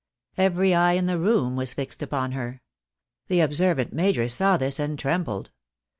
Every eye in the room Avas fixed upon her. The observant major saw this and trembled.